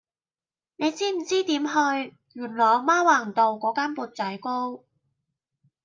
你知唔知點去元朗媽橫路嗰間缽仔糕